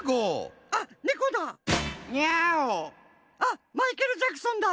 あっマイケル・ジャクソンだ。